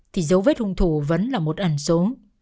thì dấu vết hung thủ vẫn là một ẩn số